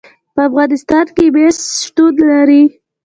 په افغانستان کې مس شتون لري.